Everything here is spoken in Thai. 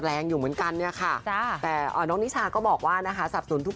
และเรื่องสุดท้ายคุณผู้ชม